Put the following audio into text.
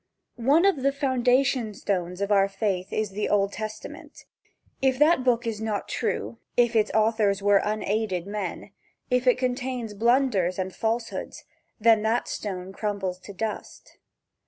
ONE of the foundation stones of our faith is the Old Testament. If that book is not true, if its authors were unaided men, if it contains blunders and falsehoods, then that stone crumbles to dust.